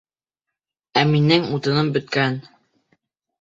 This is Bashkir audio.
Ә минең утыным бөткән.